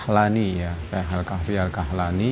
seorang ulama yang berasal dari kahlani